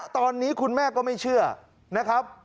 ตอนนี้คุณแม่ก็ไม่เชื่อนะครับ